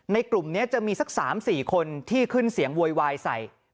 กลุ่มนี้จะมีสัก๓๔คนที่ขึ้นเสียงโวยวายใส่